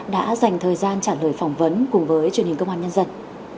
đã dành thời gian trả lời phỏng vấn cùng với truyền hình công an nhân dân